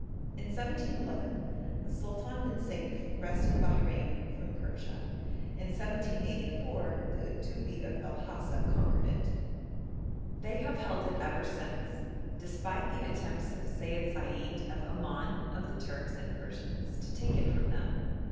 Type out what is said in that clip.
In 1711 the Sultan bin Seif wrested Bahrein from Persia; in 1784 the Uttubbi of El Hasa conquered it. They have held it ever since, despite the attempts of Seyid Said of Oman, of the Turks and Persians, to take it from them.